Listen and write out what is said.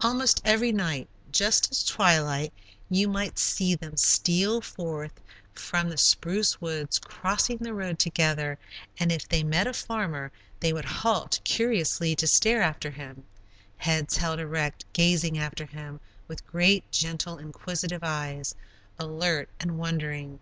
Almost every evening, just at twilight, you might see them steal forth from the spruce woods, cross the road together, and if they met a farmer, they would halt curiously to stare after him, heads held erect, gazing after him with great, gentle, inquisitive eyes, alert and wondering.